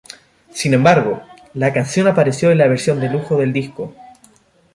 Sin embargo, la canción apareció en la versión de lujo del disco.